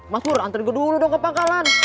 mas pur nganterin gue dulu dong ke pangkalan